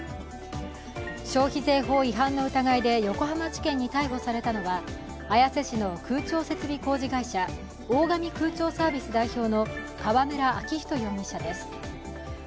消費税法違反の疑いで横浜地検に逮捕されたのは綾瀬市の空調設備工事会社大上空調サービス代表の川村秋人容疑者です。